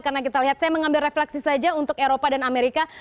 karena kita lihat saya mengambil refleksi saja untuk eropa dan amerika